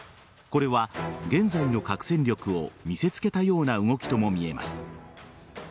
これは、現在の核戦力を見せつけたような動きとも見えます。